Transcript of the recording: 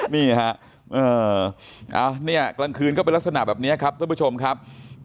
นี่ค่ะเอ้อเนี่ยกลางคืนก็เป็นลักษณะแบบนี้ครับทุกผู้ชมครับ